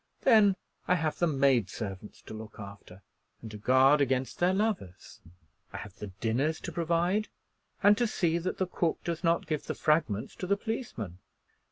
Then I have the maid servants to look after, and to guard against their lovers. I have the dinners to provide, and to see that the cook does not give the fragments to the policeman.